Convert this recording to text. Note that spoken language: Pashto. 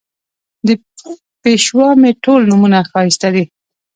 د پېشوا مې ټول نومونه ښایسته دي